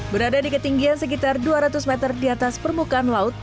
berada di ketinggian sekitar dua ratus meter di atas permukaan laut